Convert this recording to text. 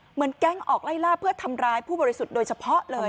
เหมือนแก๊งออกไล่ล่าเพื่อทำร้ายผู้บริสุทธิ์โดยเฉพาะเลย